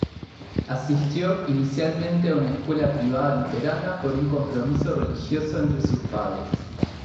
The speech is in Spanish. Asistió inicialmente a una escuela privada luterana por un compromiso religioso entre sus padres.